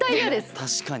確かに。